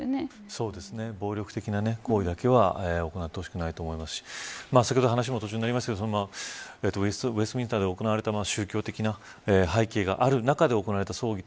そうですね、暴力的な行為だけは行ってほしくないと思いますし先ほど、話も途中になりましたがウェストミンスターで行われた宗教的な背景がある中で行われた葬儀